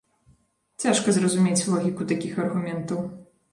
Цяжка зразумець логіку такіх аргументаў.